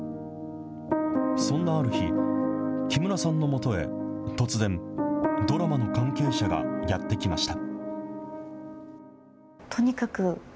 そんなある日、木村さんのもとへ、突然、ドラマの関係者がやって来ました。